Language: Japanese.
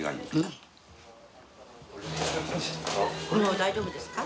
大丈夫です。